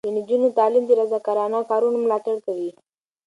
د نجونو تعلیم د رضاکارانه کارونو ملاتړ کوي.